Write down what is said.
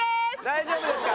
大丈夫ですか？